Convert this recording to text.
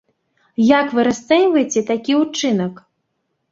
Як вы расцэньваеце такі ўчынак?